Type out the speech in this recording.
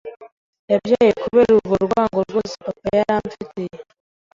yabyaye kubera urwo rwango rwose papa yari amfitiye